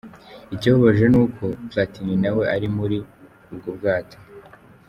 Ikibabaje ni uko, Platini nawe ari muri ubwo bwato.